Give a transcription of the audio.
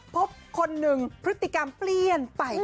พบคนหนึ่งพฤติกรรมเปลี่ยนไป